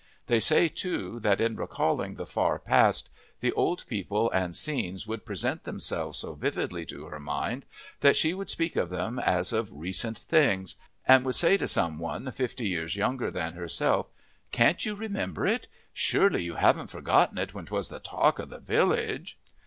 They say, too, that in recalling the far past, the old people and scenes would present themselves so vividly to her mind that she would speak of them as of recent things, and would say to some one fifty years younger than herself, "Can't you remember it? Surely you haven't forgotten it when 'twas the talk of the village!"